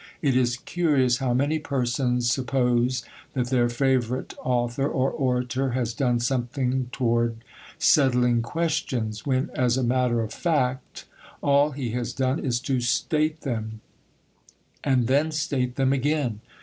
It is curious how many persons suppose that their favourite author or orator has done something toward settling questions, when, as a matter of fact, all he has done is to state them, and then state them again.